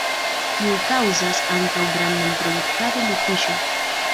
Tio kaŭzas ankaŭ grandan produktadon de fiŝo.